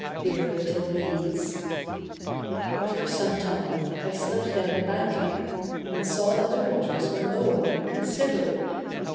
Dear little Lise.... After some time, I slipped down the bank again, and saw that the waters were lowering considerably.